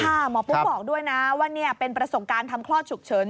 หมอปุ๊กบอกด้วยนะว่านี่เป็นประสบการณ์ทำคลอดฉุกเฉิน